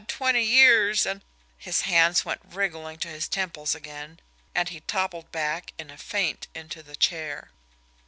twenty years, and " His hands went wriggling to his temples again, and he toppled back in a faint into the chair.